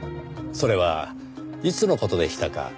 それはいつの事でしたか？